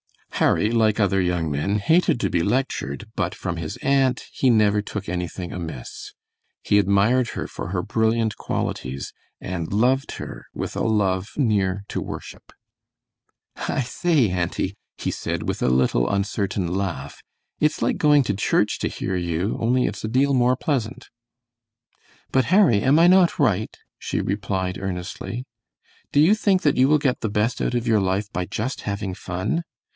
Harry, like other young men, hated to be lectured, but from his aunt he never took anything amiss. He admired her for her brilliant qualities, and loved her with a love near to worship. "I say, auntie," he said, with a little uncertain laugh, "it's like going to church to hear you, only it's a deal more pleasant." "But, Harry, am I not right?" she replied, earnestly. "Do you think that you will get the best out of your life by just having fun?